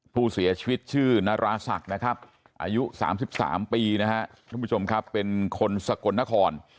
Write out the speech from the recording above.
ผู้เสียชีวิตชื่อนาราศักดิ์นะครับอายุ๓๓ปีนะฮะว่าโปรบครับเป็นคนสกลท์นคร